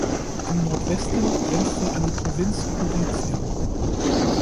Im Nordwesten grenzt sie an die Provinz Gorizia.